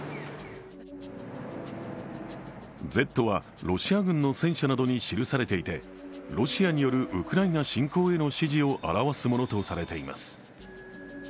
「Ｚ」はロシア軍の戦車などに記されていて、ロシアによるウクライナ侵攻への支持を表すものとされています。